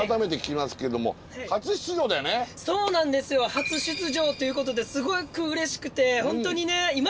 初出場ということですごくうれしくて。